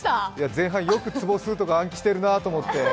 前半よく坪数とか暗記してるなと思って。